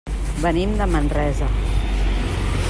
Venim de Manresa.